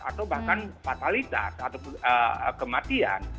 atau bahkan fatalitas atau kematian